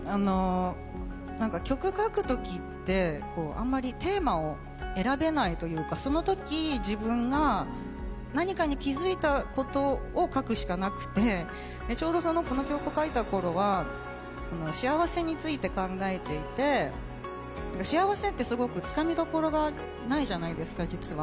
曲、書くときって、あんまテーマを選べないっていうかそのとき自分が何かに気付いたことを書くしかなくてちょうどこの曲を書いたころは幸せについて考えていて、幸せってすごくつかみどころがないじゃないですか、実は。